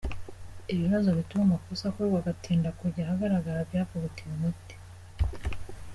Ibibazo bituma amakosa akorwa agatinda kujya ahagaragara byavugutiwe umuti.